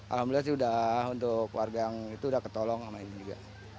alhamdulillah sih udah untuk warga yang itu udah ketolong sama ini juga